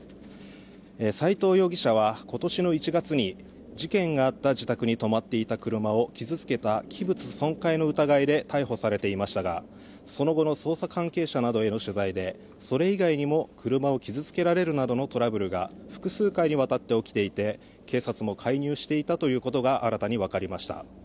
斎藤容疑者は今年の１月に事件があった自宅に止まっていた車を傷付けた器物損壊の疑いで逮捕されていましたがその後の捜査関係者などへの取材でそれ以外にも車を傷つけられるなどのトラブルが複数回にわたって起きていて警察も介入していたことが新たにわかりました。